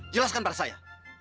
jelaskan para saya